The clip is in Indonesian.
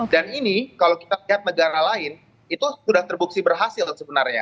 dan ini kalau kita lihat negara lain itu sudah terbuksi berhasil sebenarnya